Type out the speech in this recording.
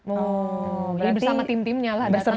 oh berarti bersama tim timnya lah datang kesana